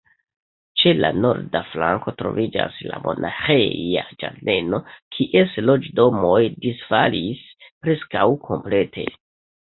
Ĉe la norda flanko troviĝas la monaĥeja ĝardeno, kies loĝdomoj disfalis preskaŭ komplete.